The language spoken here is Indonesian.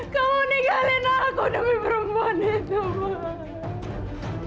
kamu nikahin aku demi perempuan itu pak